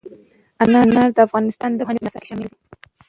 انار د افغانستان د پوهنې په نصاب کې شامل دي.